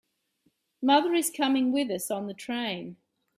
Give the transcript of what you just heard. Mother is coming with us on the train.